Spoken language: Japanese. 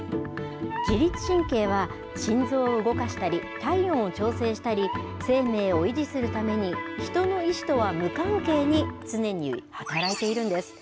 自律神経は、心臓を動かしたり、体温を調整したり、生命を維持するために、人の意思とは無関係に常に働いているんです。